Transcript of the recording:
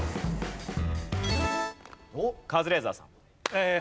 カズレーザーさん。